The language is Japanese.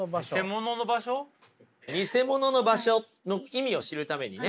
ニセモノの場所の意味を知るためにね